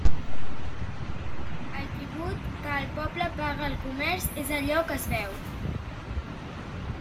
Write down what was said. El tribut que el poble paga al comerç és allò que es veu.